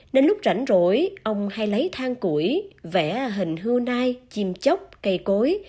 nên lúc rảnh rỗi ông hay lấy thang củi vẽ hình hưu nai chim chốc cây cối